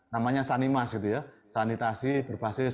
namanya sanimas gitu ya sanitasi berbasis